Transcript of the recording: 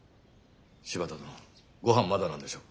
柴田殿ごはんまだなんでしょ？